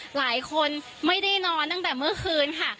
หลายคนไม่ได้นอนตั้งแต่เมื่อคืนค่ะ